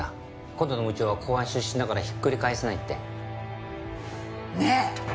今度の部長は公安出身だからひっくり返せないって。ねえ！